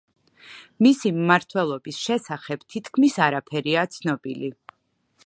მისი მმართველობის შესახებ თითქმის არაფერია ცნობილი.